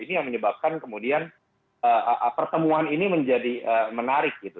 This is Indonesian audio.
ini yang menyebabkan kemudian pertemuan ini menjadi menarik gitu